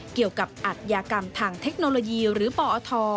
เกี่ยวกับอัดยากรรมทางเทคโนโลยีหรือปอท